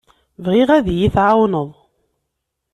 Bɣiɣ ad iyi-tɛawneḍ.